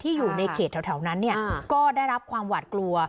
ที่อยู่ในเขตแถวแถวนั้นเนี่ยอ่าก็ได้รับความหวาดกลัว